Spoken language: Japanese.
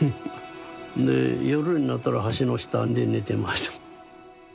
で夜になったら橋の下で寝てました。